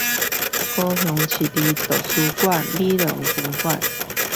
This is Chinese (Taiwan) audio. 高雄市立圖書館美濃分館